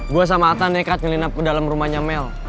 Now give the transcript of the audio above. gue sama atta nekat menyelinap ke dalam rumahnya mel